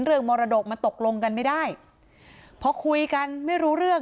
เรื่องมรดกมันตกลงกันไม่ได้เพราะคุยกันไม่รู้เรื่อง